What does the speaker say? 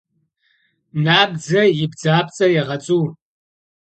Набдзэ и бдзапцӏэр егъэцӏу.